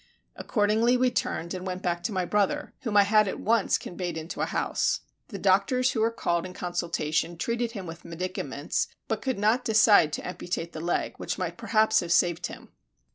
Accordingly we turned and went back to my brother, whom I had at once conveyed into a house. The doctors who were called in consultation treated him with medicaments, but could not decide to amputate the leg, which might perhaps have saved him.